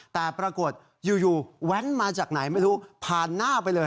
แต่ปรากฏอยู่แว้นมาจากไหนไม่รู้ผ่านหน้าไปเลย